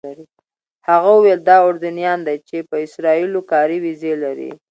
هغه وویل دا اردنیان دي چې په اسرائیلو کې کاري ویزې لري.